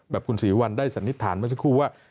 คุณศรีวัลได้สันนิษฐานเมื่อสักครู่ว่า